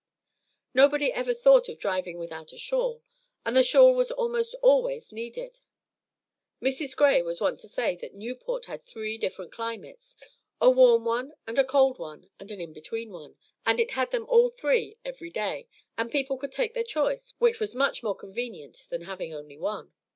Nobody ever thought of driving without a shawl, and the shawl was almost always needed. Mrs. Gray was wont to say that Newport had three different climates, a warm one and a cold one and an in between one, and it had them all three every day, and people could take their choice, which was much more convenient than having only one.